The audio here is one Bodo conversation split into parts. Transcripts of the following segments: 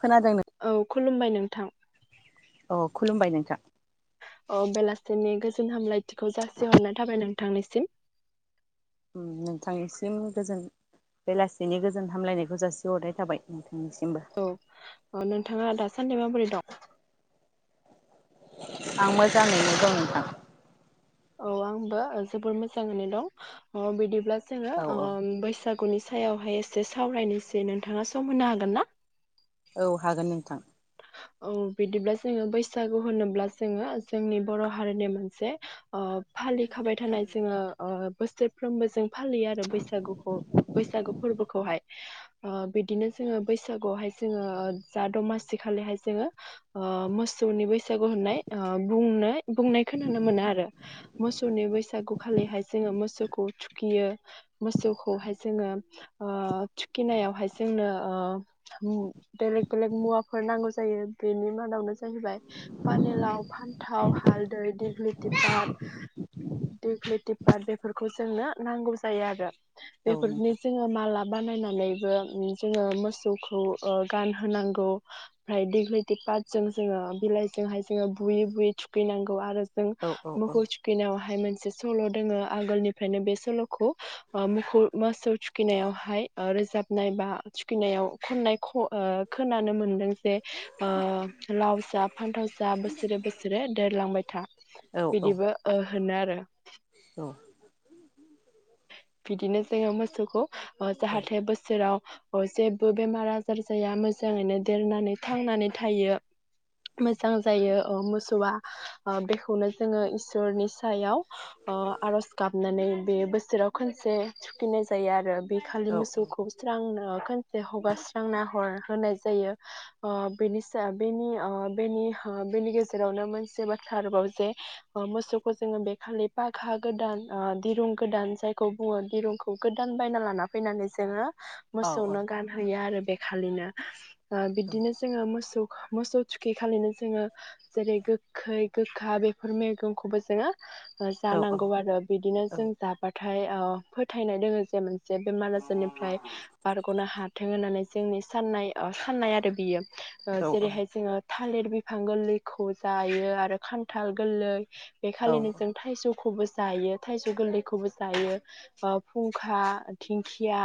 खोनादों नों औ खुलुमबाय नों थां। अ खुलुमबाय नोंथां अ बेलासिनि गोजोन हामलायथिखौ जासिहरनाय थाबाय नोंथांनिसिम ओम नोंथांनिसिम गोजोन बेलासिनि गोजोन हामलायनायखौ जासिहरनाय थाबाय नों औ अ नोंथाङा दा सानदै माबोरै दं आं मोजाङैनो दं नोंथां औ आंबो जोबोर मोजाङैनो दं ओ बिदिब्ला जोङो औ ओ बैसाग गुनि सायावहाय एसे सावरायनोसै नोंथाङा सम होनो हागोन ना औ हागोन नोंथां औ बिदिब्ला जोङो बैसागु होनोब्ला जोङो जोंनि बर' हारिनि मोनसे ओ फालिखाबाय थानाय जोङो ओ बोसोरफ्रोमबो जों फालियो आरो बैसागुखौ बैसागु फोरबोखौहाय ओ बिदिनो जोङो बैसागुआवहाय जोङो जा दमासि खाथिखालिहाय जोङो ओ मोसौनि बैसागु होननाय ओ बुंनाय बुंनायखौ नुनो मोनो आरो मोसौनि बैसागु खालिहाय जोङो मोसौखौ थुखियो मोसौखौहाय जोङो ओ थुखिनायावहाय जोंनो ओ बेलेग बेलेग मुवा फोर नांगौ जायो बेनि मादावनो जाहैबाय पानिलाव फान्थाव हालदै दग्लि दग्लिपट बेफोरखौ जोंनो नांगौ जायो आरो। औ बेफोरनि नोंथां जोङो माला बानायना मोननैबो जोङो मोसौखौ ओ गानहोनांगौ [inaudible] जों जोङो बिलाइजोंहाय जोङो बुयै बुयै थुखैनांगौ आरो जों औ औ मोखौ थुखैनायावहाय मोन से सल दङ आ‌गोलनिफ्रायनो बे सल'खौ ओ मोखौ मोसौ थुखिनायावहाय ओ रोजाबनाय बा थुखैनायाव खननाय ख ओ खोनानो मोनो। जे ओ लाव जा फान्थावजा बोसोरे बोसोरे देरलांबाय था औ बि। औ बिदिनो जोङो मोसौखौ ओ जाहाथे बोसोराव अ जेबो बेमार आजार जाया मोजाङैनो देरनानै थांनानै थायो मोजां जायो ओ मोसौआ ओ बेखौनो जोङो इसोरनि सायाव ओ आरज गाबनानै बे बोसोर जेराव खनसे थुखैनाय जायो आरो। बे खालि औ मोसौखौ स्रांनो खनसे हुगारस्रांना हर होनाय जायो ओ बेनि सा ओ बेनि हा बेनि गेजेरावनो मोनसे बाथ्रा आरोबाव जे मोसौखौ जोङो बे खालि पागा गोदान ओ दिरुं गोदान जायखौ बुङो दिरुंखौ गोदान बायना लाना फैनानै जोङो औ औ मोसौनो गानहैयो आरो। बेखालिनो ओ बिदिनो औ जोङो मोसौ मोसौ थुखि खालिनो जोङो जेरै गोखै गोखा बेफोर मैगंखौबो जोङो औ जानांगौ आरो बिदिनो औ जों जा थाय ओ फोथायनाय दोङो जे मोनसे बेमार आजारनिफ्राय बारग'नो हाथों होननानै जोंनि साननाय साननाय आरो बियो औ ओ जेरैहाय जोङो थालिर बिफां गोरलैखौ जायो आरो खान्थाल गोरलै बेखालिनो जों थाइजौ खौबो जायो थाइजौ गोरलैखौबो जायो ओ फुंखा दिंखिया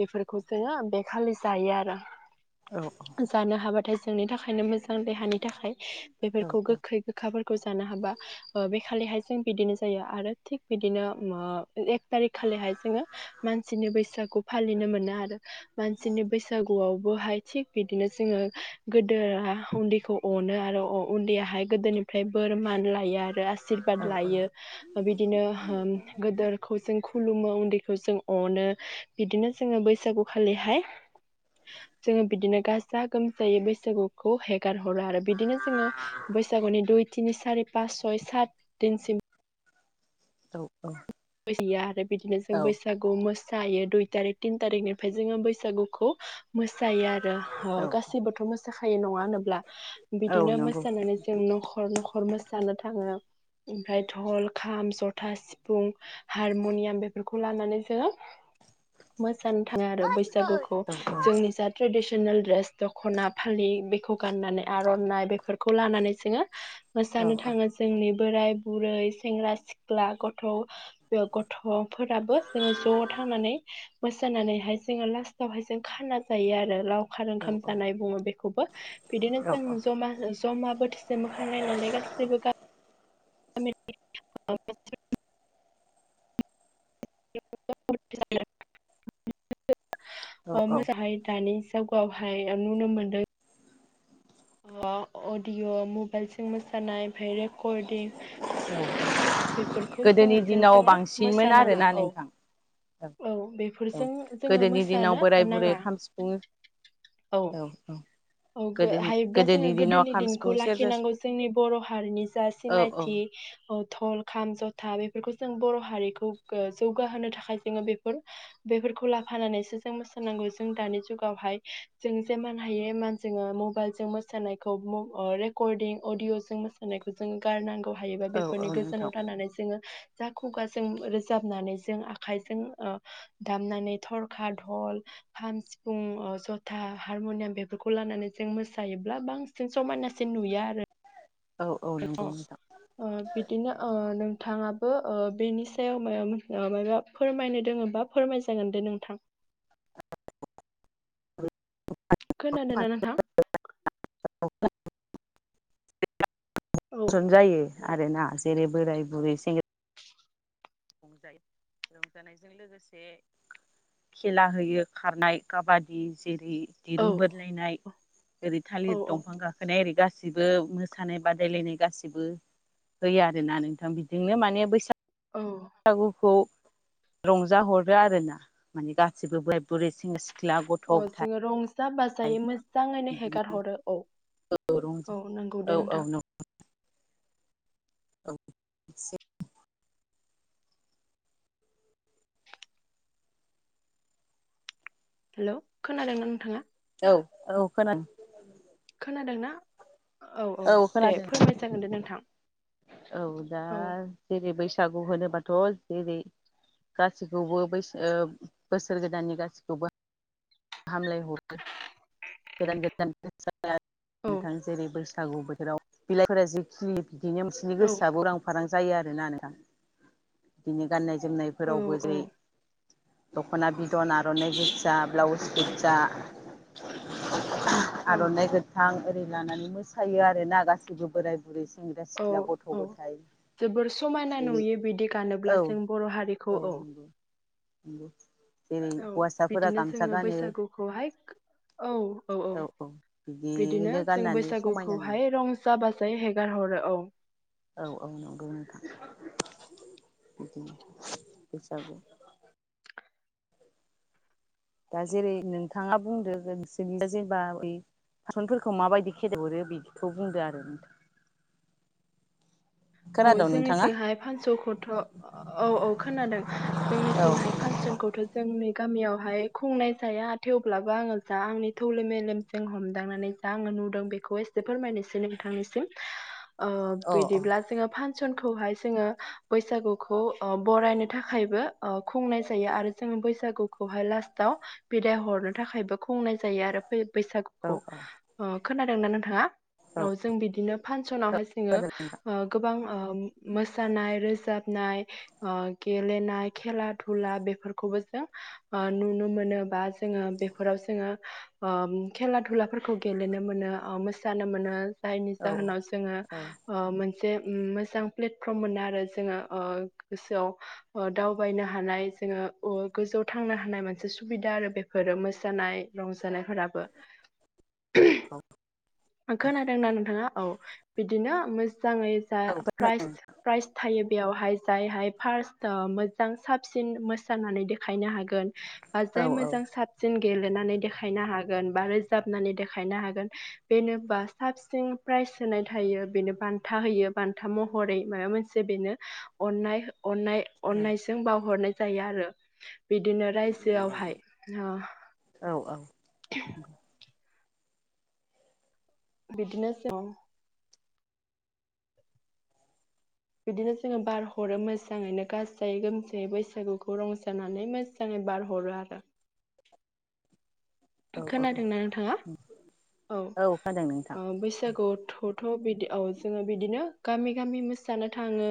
बेफोरखौ जोङो बेखालि जायो आरो। जानो हाबाथाय जोंनि थाखायनो मोजां ओं देहानि थाखाय बेफोरखौ गोखै गोखा खौ जानो हाबा ओ बे खालिहाय जों बिदिनो जायो आरो थिग बिदिनो ओ एक थारिख खालिहाय जोङो मानसिनि बैसागु फालिनो मोनो आरो। मानसिनि बैसागुआव बहाय थिग बिदिनो जोङो गोदोआ उन्दैखौ अनो आरो उन्दैयाहाय गोदोरनि ओमफ्राय बोरमान लायो आरो आसशिरबाद लायो बिदिनो ओ गोदोर जों खुलुमो उन्दैखौ जों अनो बिदिनो जोङो बैसागु खालिहाय जोङो बिदिनो गाजा गोमजायै बैसागुखौ हे हेगार हरो आरो बिदिनो जोङो बैसागुनि दुइ तिनि सारि पास सय सात दिनसिम औ औ [inaudible] आरो बिदिनो जों बैसागु मोस सायो दुइ थारिख तिन थारिखनिफ्राय जोङो बैसागुखौ मोसायो आरो ओ गाससिबोथ' मोस जाखायो नङा होनोब्ला बिदिनो नंगौ मोसानानै जों न'खर न'खर मोस जानो थाङो ओमफ्राय धल खाम जथा सिफुं हारम'नियाम बेफोरखौ लानानै जोङो मोसानो थाङो आरो बैसागुखौ औ जोंनि जा ट्रेडिस नेल द्रेस दखना फालि बेखौ गाननानै आरननाइ बेफोरखौ लानानै जोङो औ मोसानो थाङो जोंनि बोराय बुरै सेंग्रा सिख्ला गथ' बेयाव गथ'फोराबो जोङो ज' थांनानै मोसानानैहाय जोङो लास्टावहाय जों खाना जायो आरो लाव- लावखार औ ओंखाम जानाय बुङो बेखौबो बिदिनो औ जों जमा जमा बोथिसे मोखांनाय नालाय गासिबो गा [unintelligible] [unintelligible] औ अ औ मोजांहाय दानि जावगावहाय ओ नुनो मोन्दों। अ' अडिअ' मबाइलजों मोसानायाय ओमफाय रेकर्डिं [inaudible] बेफोरखौ गोदोनि जोङो दिनाव जोसो बांसिनमोन मोसानाङा आरोना औ नोंथां औ औ बेफोरजों जोङो गोदोनि दिनाव मोसानो बोराय बुरै नाङा। खाम सिफुं औ। औ गो गोदोनि हायोब्ला जोङो दिनाव गोदोनि खाम सिफुं दिनखौ सेरजा लाखिनांगौ जोंनि बर' हारिनि जा औ औ सिनायथि ओ धल, खाम, जथा बेफोरखौ जों बर' हारिखौ गो जौगाहोनो थाखाय जोङो बेफोर बेफोरखौ लाफानानैसो जों मोसानांगौ जों दानि जुगावहाय जों जेमान हायो एमान जोङो मबाइल जों मोसानायखौ म' ओ रेकर्डिं अदिअ' जों मोसानायखौ जों गारनांगौ। हायोबा औ औ बेफोरनि गोजानाव नोंथां थानानै जोङो जा खुगाजों रोजाबनानै जों आखायजों ओ दामनानै थरखा, धल, खाम, सिफुं अ जथा हारम'नियाम बेफोरखौ खौ लानानै जों मोसायोब्ला बां बांसिन समायनासिन नुया आरो। औ औ नंगौ [unintelligible] नोंथां अ' बिदिनो ओ नों थाङाबो ओ बेनि सायावनो ओ मायबा फोरमायनो दोङोबा फोरमाय जागोन दे नोंथां। खोनादों ना नोंथां? [unintelligible] औ गोजान जायो। आरोना जेरै बोराय बुरै सेंग रंजायो रंजानायजों लोगोसे खेला होयो खारनाय काबादि जेरै औ दिरुं बोदलायनाय। ओरै औ थालिर दंफां गाखोनाय ओरै दा गासिबो मोसानाय बादायलायनाय गाैसैबो होयो आरोना नोंथां बिदिनो माने बैसाग औ सागुखौ रंजाहरो आरोना माने गासिबो बोराइ बुरै सें सिख औ जोङो रंजा-बाजायै मोजाङैनो हेगार हरो। औ रंजा औ नंगौ औ दे नोंथां। नौ औ [unintelligible] हेलौ खोनादोंना नोंथाङा? औ औ खोनाद खोनादों ना? औ औ दे फोरमाय जागोन दे नोंथां। औ दा औ जेरै बै बैसागु होनोबाथ' जेरै गासैखौबो बैसो ओ बोसोर गोदाननि गासैखौबो हामलायहरो गोदान गोदान। [unintelligible] औ नोंथां जेरै बोस बैसागु बोथोराव बिलाइफोरा जिखि बिदिनो नोंसिनि औ गोसोआबो उरां-फारां जायो आरोना नोंथां। बिदिनो गाननाय औ जोमनायफोरावबो जेरै दख'ना बिदन आर'नाइ गोजा ब्लाउस गोजा औ आर'नाइ गोथां ओरै लानानै मोसायो आर ना गासैबो बोराय बुरै सेंग्रा औ सिख्ला गथ' औ गथाय जोबोर समायना जेरै नुयो बिदि गानो जेब्ला औ जों बर' हारिखौ औ [inaudible] औ हौवासाफोरा बिदिनो गामसा जोङो गानो बैसागुखौहाय औ औ औ बिदिनो जों बैसागुखौहाय रंजा बाजायै हेगार हरो औ औ औ नंगौनोथां बिदिनो बैसागु दा जेरै नोंथाङा बुंदो नोंसोरनि जेनेबा ब फासनफोरखौ माबायदि खेदेहरो बेखौ बुंदो आरो नोंथां औ खोनादों नोंथाङा जोंनिथिंहाय फासस'खौथ' औ औ खोनादों औ जोंनिथिंहाय फानस'खौथ' जोंनि गामियावहाय खुंनाय जाया थेवब्लाबो आङो जा आंनि थौलेम मेलेमजों हमदांनानै जा आङो नुदों बेखौ एसे फोरमायनोसै नोंथांनिसिम अ बिदिब्ला फांसनखौहाय जोङो बैसागुखौ ओ बरायनो थाखायबो ओ खुंनाय जायो आरो जोङो बैसागुखौहाय लास्टाव बिदाय हरनो थाखायबो खुंनाय जायो आरो फै औ बैसागुखौ औ ओ खोनादों ना नोंथाङा? औ जों बिदिनो फांसनावहाय सोङो गोबां ओ मोसानाय रोजाबनाय ओ गेलेनाय खेला धुला बेफोरखौबो जों ओ नुनो मोनो बा जोङो बेफोराव जोङो ओम खेला दुलाफोरखौ गेलेनो मोनो ओ मोसानो मोनो जायनि औ जाहोनाव जोङो औ ओ मो मोनसे मोजां प्लेटफर्म मोनो आरो जोङो ओ गोसोआव दावबायनो हानाय जोङो ओ गोजौआव थांनो हानाय मोनसे सुबिदा आरो बेफोरो मोसानाय रंजानायफोराबो [unintelligible] खोनादोंना नोंथाङा औ बिदिनो मोज मोजाङै जा प्राइज प्राइज थायो बेयावहाय जायहाय फार्स्ट मोजां साबसिन मोसानानै देखायनो हागोन बि औ जाय मोजां साबसिन गेलेनानै देखायनो हागोन बा रोजाबनानै देखायनो हागोन बेनोबा साबसिन प्राइज होनाय थायो बेनो बान्था होयो बान्था महरै माबा मोनसे बेनो अननाय अननाय अननायजों बावहरनाय जायो आरो बिदिनो रायजोआवहाय ओ औ औ [unintelligible] बिदिनोसै औ बिदिनो जोङो बारहरो मोजाङैनो गाजायै गोमजायै बैसागुखौ रंजानानै मोजाङै बारहरो आरो औ खोनादों ना नोंथाङा? औ खोनादों नोंथां अ बैसागुआव [unintelligible] थ' बिदि औ जोङो बिदिनो गामि गामि मोसानो थाङो।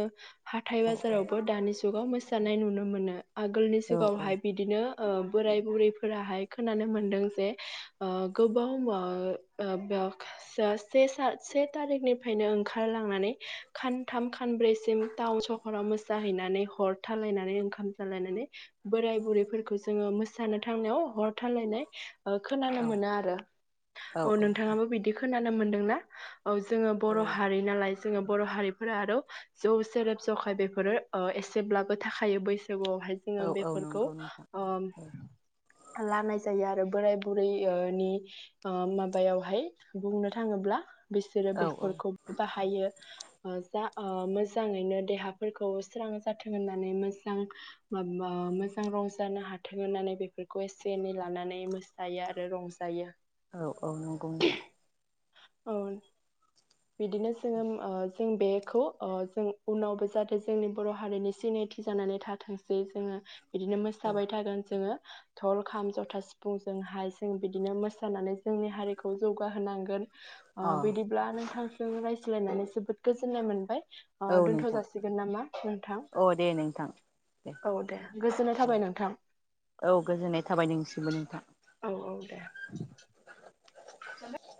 हाथाय औ बाजारावबो दानि जुगाव मो सानाय नुनो मोनो। आगोलनि औ सिगाङावहाय बिदिनो ओ बोराइ बुरैफोराहाय खोनानो मोन्दों। जे ओ गोबाव ब ओ बक सासे सा से थारिखनिफ्रायनो ओंखारलांनानै खानथाम खानब्रैसिम टाउन सहराव मोसाहैनानै हर थालायनानै ओंखाम जालायनानै बोराय बुरैफोरखौ जोङो मोसानो थांनायाव हर थालायनाय खोनानो औ मोनो आरो औ नोंथाङाबो बिदि खोनानो मोन्दोंना? औ जोङो औ बर' हारि नालाय जोङो बर' हारिफोरा आरो जौ सेरेब ज'खाय बेफोरो ओ एसेब्लाबो थाखायो बैस आवहाय औ जोङो औ बेफोरखौ नंगौ नोंथां ओम औ लानाय जायो आरो बोराय बुरै ओ नि ओ माबायावहाय बुंनो थाङोब्ला बिसोरो औ बेफोरखौबो बाहायो। ओ जा ओ मोजाङैनो देहाफोरखौ स्रां जाथों होननानै मोजां माबा मोजां रंजानो हाथों होननानै बेफोरखौ एसे एनै लानानै मो सायो आरो रंजायो। औ औ नंगौ नोंथां औ बिदिनो जोङो उम ओ जों बेखौ ओ जों उनावबो जाहाथे जोंनि बर' हारिनि सिनायथि जानानै थाथोंसै जोङो बिदिनो मोसाबाय थागोन जोङो धल, खाम, जथा, सिफुं जोंहाय जों बिदिनो मोसानानै जोंनि हारिखौ जौगाहोनांगोन। ओ अ बिदिब्ला नोंथांजों रायज्लायनानै जो बोद गोजोननाय मोनबाय। ओ औ दोनथ' नोंथां। जासिगोन नामा नोंथां? औ दे नोंथां दे औ गोजोननाय औ थाबाय नोंथां। औ गोजोननाय थाबाय नोंनिसिमबो नोंथां। औ औ दे। [inaudible]